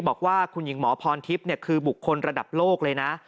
บอกว่าคุณหญิงหมอพรทิพย์คือบุคคลระดับโลกเลยนะ